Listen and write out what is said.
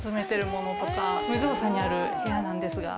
無造作にある部屋なんですが。